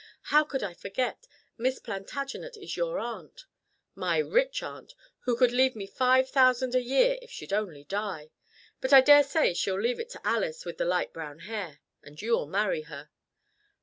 How could I forget? Miss Plantagenet is your aunt." "My rich aunt, who could leave me five thousand a year if she'd only die. But I daresay she'll leave it to Alice with the light brown hair, and you'll marry her."